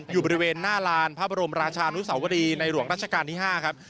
อยู่บริเวณหน้าลานพระบรมราชานุสาวรีในหลวงรัชกาลที่๕ครับ